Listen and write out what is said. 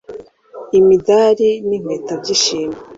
imidali, n'impeta by'ishimwe